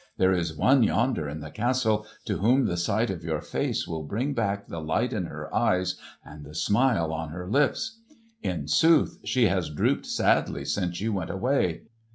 There is one yonder in the castle to whom the sight of your face will bring back the light in her eyes and the smile on her lips. In sooth she has drooped sadly since you went away.